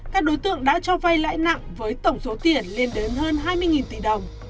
các đối tượng đã cho vay lãi nặng với tổng số tiền lên đến hơn hai mươi tỷ đồng